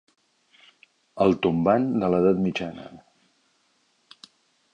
El tombant de l'edat mitjana.